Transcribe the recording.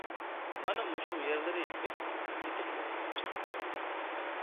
مانا مۇشۇ يەرلىرى بەك تېتىملىق چىقىپتۇ.